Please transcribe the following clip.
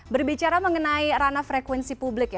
berbicara mengenai ranah frekuensi publik ya